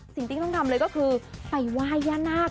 สิ่งที่ต้องทำเลยก็คือไปไหว้ย่านาค